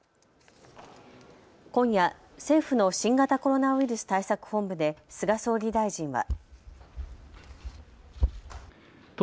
今夜、政府の新型コロナウイルス対策本部で菅総理大臣は。